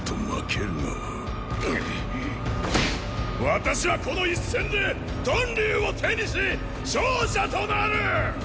私はこの一戦で屯留を手にし勝者となる！！